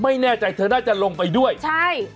ไม่แน่ใจเธอน่าจะลงไปด้วยใช่